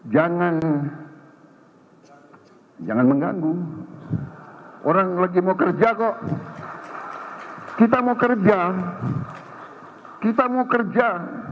jangan mengganggu orang lagi mau kerja kok kita mau kerja kita mau kerja